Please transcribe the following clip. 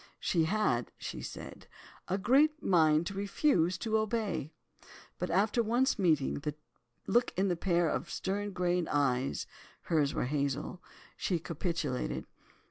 She had (she said) "a great mind to refuse to obey," but after once meeting the look in a pair of stern grey eyes—hers were hazel—she capitulated.